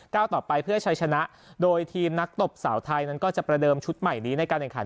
ต่อไปเพื่อใช้ชนะโดยทีมนักตบสาวไทยนั้นก็จะประเดิมชุดใหม่นี้ในการแข่งขัน